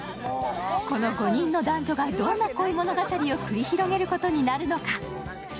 この５人の男女がどんな恋物語を繰り広げることになるのか。